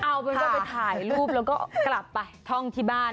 เอาเป็นว่าไปถ่ายรูปแล้วก็กลับไปท่องที่บ้าน